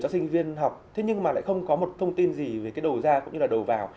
không có một thông tin gì về cái đầu ra cũng như là đầu vào